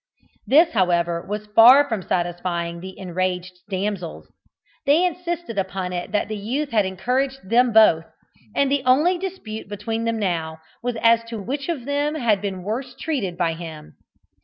This, however, was far from satisfying the enraged damsels. They insisted upon it that the youth had encouraged them both, and the only dispute between them now was as to which of them had been worse treated by him.